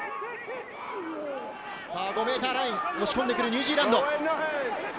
さあ、５メーターライン、押し込んでくるニュージーランド。